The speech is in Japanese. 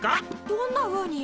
どんなふうに？